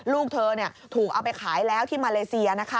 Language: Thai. ลูกเธอถูกเอาไปขายแล้วที่มาเลเซียนะคะ